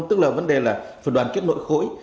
tức là vấn đề là phải đoàn kết nội khối